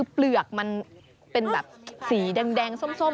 เปลือกแบบสีแดงส้ม